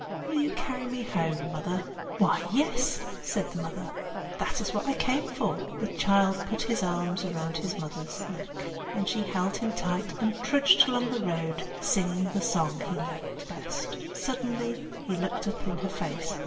"Will you carry me home, mother?" "Why, yes!" said the mother. "That is what I came for." The child put his arms round his mother's neck, and she held him tight and trudged along the road, singing the song he liked best. Suddenly he looked up in her face.